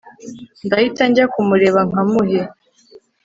ndahita njya kumureba nkamuhe